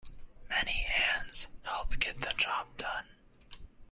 Many hands help get the job done.